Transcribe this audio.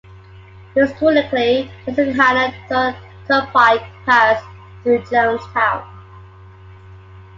Historically, the Susquehanna and Tioga Turnpike passed through Jonestown.